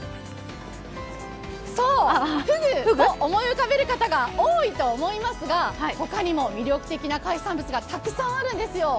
そう、ふぐを思い浮かべる方が多いと思いますが、他にも魅力的な海産物がたくさんあるんですよ。